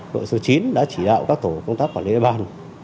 đội số chín đã chỉ đạo các tổ công tác quản lý địa bàn